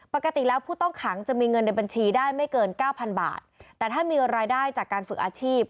ปกติแล้วผู้ต้องขังจะมีเงินในบัญชีได้ไม่เกินเก้าพันบาทแต่ถ้ามีรายได้จากการฝึกอาชีพ